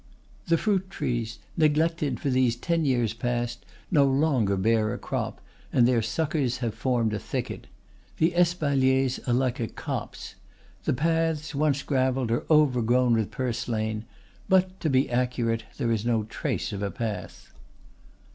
The fruit trees, neglected for these ten years past, no longer bear a crop, and their suckers have formed a thicket. The espaliers are like a copse. The paths, once graveled, are overgrown with purslane; but, to be accurate there is no trace of a path.